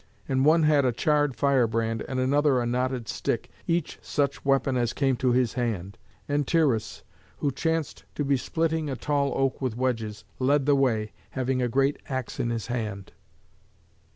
And one had a charred firebrand and another a knotted stick, each such weapon as came to his hand. And Tyrrheus, who chanced to be splitting a tall oak with wedges, led the way, having a great axe in his hand.